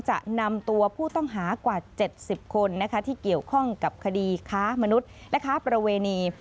จะนำตัวผู้ต้องหากว่า๗๐คนที่เกี่ยวข้องกับคดีค้ามนุษย์และค้าประเวณี